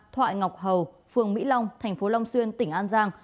thoại ngọc hầu phường mỹ long tp long xuyên tỉnh an giang